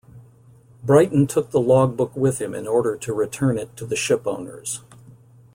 Brighton took the logbook with him in order to return it to the shipowners.